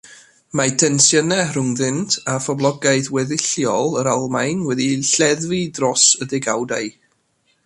Mae tensiynau rhyngddynt a phoblogaeth weddilliol yr Almaen wedi lleddfu dros y degawdau.